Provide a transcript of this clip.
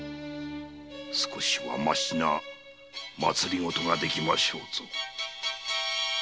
少しはましな政ができましょうぞ。